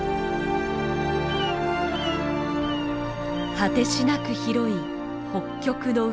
果てしなく広い北極の海。